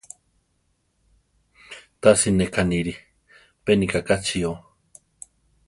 Tasi ne ká niire, pe nika kachío.